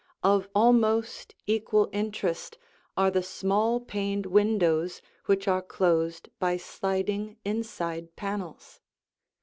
Of almost equal interest are the small paned windows which are closed by sliding inside panels.